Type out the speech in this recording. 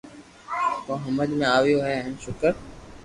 ڪجھ ھمج ۾ آويو ھي ݾڪر